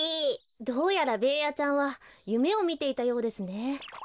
どうやらベーヤちゃんはゆめをみていたようですね。